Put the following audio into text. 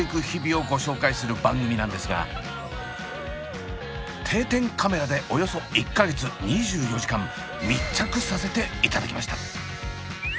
をご紹介する番組なんですが定点カメラでおよそ１か月２４時間密着させていただきました！